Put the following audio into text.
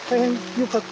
よかった？